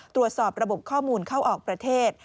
ตรวจสอบระบบข้อมูลเข้าออกประเทศ